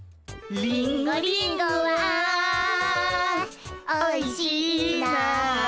「リンゴリンゴはおいしいな」